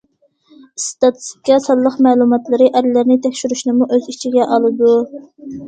ئىستاتىستىكا سانلىق مەلۇماتلىرى ئەرلەرنى تەكشۈرۈشنىمۇ ئۆز ئىچىگە ئالىدۇ.